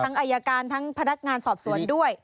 อายการทั้งพนักงานสอบสวนด้วย